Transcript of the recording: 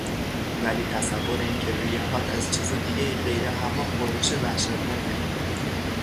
ولی تصور اینکه ریههات از چیز دیگهای غیر هوا پر بشه وحشتناکه.